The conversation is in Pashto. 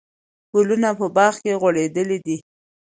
ګلونه په باغ کې غوړېدلي دي.